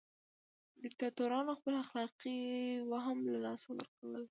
دیکتاتوران خپل اخلاقي وهم له لاسه ورکوي.